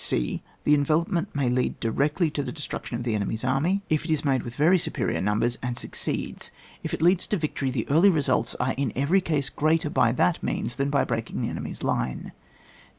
e. Tlie envelopment may lead directly to the deslruotion of the enemy's army, if GUIDE TO TACTICS, OR THE TSEORY OF THE COMBAT. 165 it is made with very superior numbers, and succeeds. If it leads to victory, the early results are in every case greater by that means than by breaking the 'enemy's line.